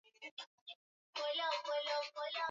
Kulikuwa na ongezeko la bei ya mafuta katika vituo vya kuuzia